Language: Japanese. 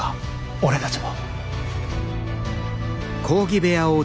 俺たちも。